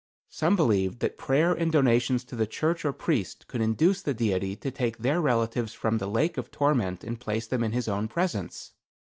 "Some believed that prayer and donations to the church or priest, could induce the Deity to take their relatives from the lake of torment and place them in his own presence.